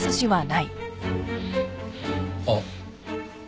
あっ。